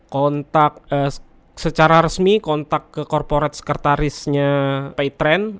kontak secara resmi kontak ke corporate sekretarisnya paytrend